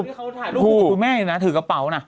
ภูวิเขาถ่ายรูปของคุณแม่นะถือกระเป๋านะ